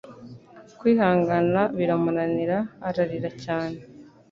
kwihangana biramunanira ararira. cyane